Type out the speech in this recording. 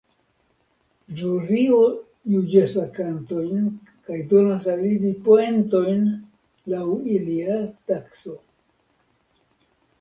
Ĵurio juĝas la kantojn kaj donas al ili poentojn laŭ ilia takso.